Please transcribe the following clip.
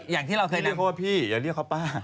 อย่าเรียกเขาว่าพี่อย่าเรียกเขาป้า